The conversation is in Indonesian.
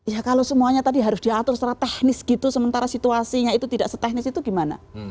ya kalau semuanya tadi harus diatur secara teknis gitu sementara situasinya itu tidak setehnis itu gimana